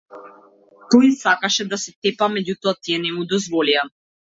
Тој сакаше да се тепа меѓутоа тие не му дозволија.